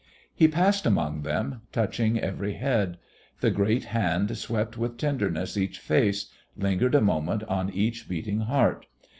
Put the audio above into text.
He passed among them, touching every head. The great hand swept with tenderness each face, lingered a moment on each beating heart.